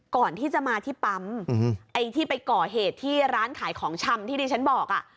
ก่อนที่จะมาที่ปั๊มไอ้ที่ไปก่อเหตุที่ร้านขายของชำที่ดิฉันบอกอ่ะ